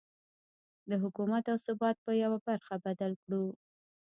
د حکومت او ثبات په يوه برخه بدل کړو.